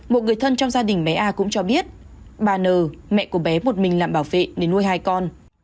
một người thân trong gia đình bé a cũng cho biết bà n mẹ của bé một mình làm bảo vệ để nuôi hai con